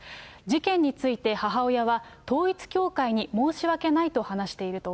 事件について母親は、統一教会に申し訳ないと話していると。